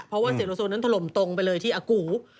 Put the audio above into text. เพราะว่าเสกโลโซนั้นถล่มตรงไปเลยที่อากู